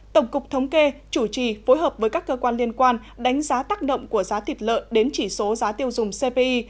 tổng cục thống kê chủ trì phối hợp với các cơ quan liên quan đánh giá tác động của giá thịt lợn đến chỉ số giá tiêu dùng cpi